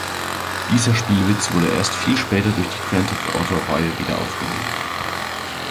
Dieser Spielwitz wurde erst viel später durch die Grand-Theft-Auto-Reihe wieder aufgenommen.